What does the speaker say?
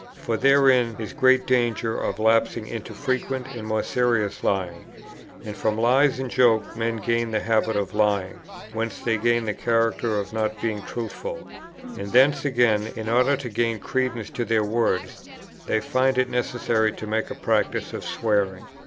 For therein is great danger of lapsing into frequent and more serious lying, and from lies in joke men gain the habit of lying, whence they gain the character of not being truthful. And thence again, in order to gain credence to their words, they find it necessary to make a practice of swearing.